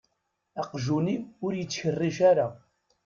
Aqjun-iw ur yettkerric ara.